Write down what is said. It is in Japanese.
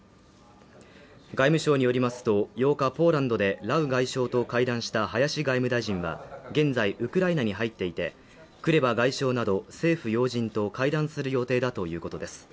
外務省によりますと８日ポーランドでラウ外相と会談した林外務大臣は現在ウクライナに入っていてクレバ外相など政府要人と会談する予定だということです